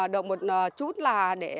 được một chút là